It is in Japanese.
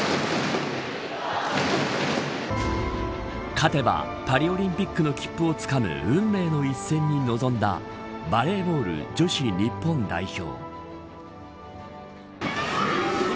勝てばパリオオリンピックの切符をつかむ運命の一戦に臨んだバレーボール女子日本代表。